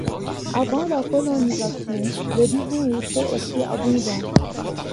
Avant la colonisation, le Bison y était aussi abondant.